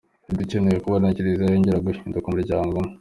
Dukeneye kubona Kiliziya yongera guhinduka umuryango umwe.